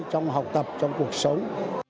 trong học tập trong cuộc sống